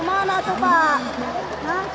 gimana tuh pak